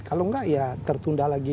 kalau enggak ya tertunda lagi